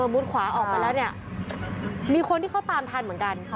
มุดขวาออกไปแล้วเนี่ยมีคนที่เขาตามทันเหมือนกัน